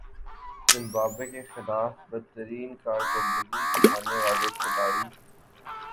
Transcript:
Zimbabwe کے خلاف بدترین کارکردگی دکھانے والے کھلاڑی